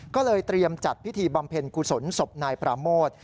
ก็เลยเตรียมจัดพิธีบำเพ็ญกุศลศพนายปราโมท